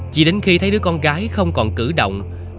chỉ đến khi thấy đứa con gái không còn cử động